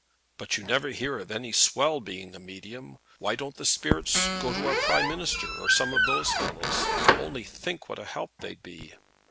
"But you never hear of any swell being a medium. Why don't the spirits go to a prime minister or some of those fellows? Only think what a help they'd be."